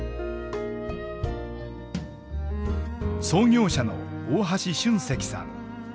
創業者の大橋俊石さん。